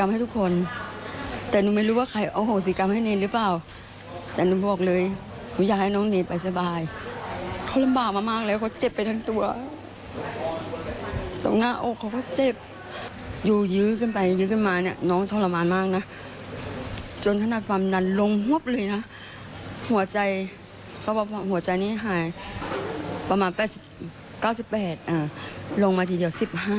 หัวใจเพราะว่าหัวใจนี่หายประมาณ๙๘ลงมาทีเดียว๑๕